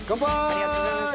ありがとうございます